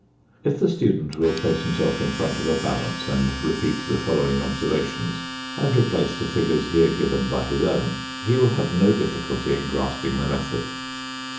If the student will place himself in front of a balance and repeat the following observations and replace the figures here given by his own, he will have no difficulty in grasping the method.